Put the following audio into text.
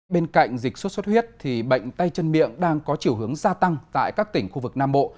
bên cạnh dịch sốt xuất huyết thì bệnh tay chân miệng đang có chiều hướng gia tăng tại các tỉnh khu vực nam bộ